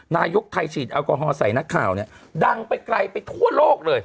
นายกไทยฉีดแอลกอฮอลใส่นักข่าวเนี่ยดังไปไกลไปทั่วโลกเลย